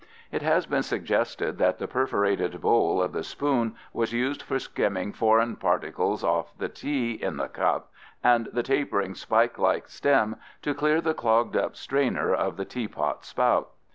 It has been suggested that the perforated bowl of the spoon was used for skimming foreign particles off the tea in the cup and the tapering spike end stem to clear the clogged up strainer of the teapot spout.